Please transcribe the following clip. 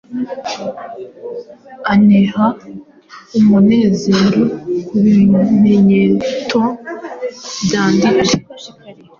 aneha umunezero kubimenyeto byandite